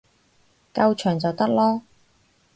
夠長就得囉